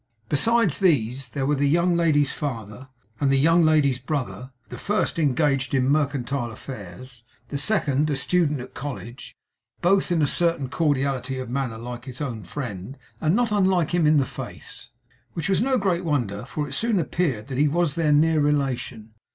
Besides these, there were the young ladies' father, and the young ladies' brother; the first engaged in mercantile affairs; the second, a student at college; both, in a certain cordiality of manner, like his own friend, and not unlike him in face. Which was no great wonder, for it soon appeared that he was their near relation.